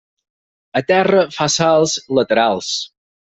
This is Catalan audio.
A terra, fa salts laterals.